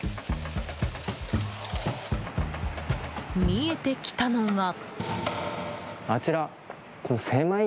見えてきたのが。